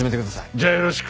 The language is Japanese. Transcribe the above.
じゃあよろしく。